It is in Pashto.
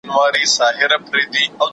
نور ګلاب ورڅخه تللي